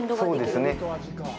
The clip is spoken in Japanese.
そうですね。